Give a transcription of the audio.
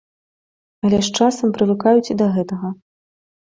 Але з часам прывыкаюць і да гэтага.